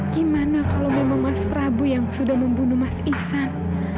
gimana kalau memang mas prabu yang sudah membunuh mas ihsan